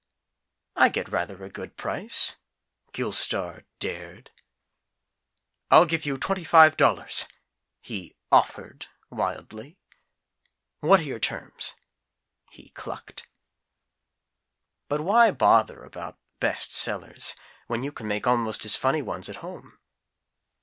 "I get rather a good price," Gilstar dared. "I'll give you twenty five dollars," he offered wildly. "What are your terms?" he clucked. But why bother about "best sellers," when you can make almost as funny ones at home?